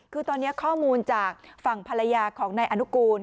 คือตอนนี้ข้อมูลจากฝั่งภรรยาของนายอนุกูล